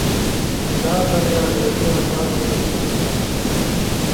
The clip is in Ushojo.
مثال در، ایک انگریزی الفاظو در شامل ہنو